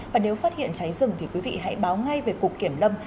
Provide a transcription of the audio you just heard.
và nếu phát hiện cháy rừng thì quý vị hãy báo ngay về cục kiểm lâm